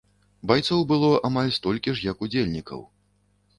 Байцоў было амаль столькі ж, як удзельнікаў.